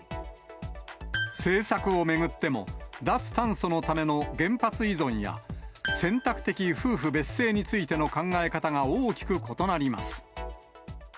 政策を巡っても、脱炭素のための原発依存や、選択的夫婦別姓についての考え方が大きく異なります。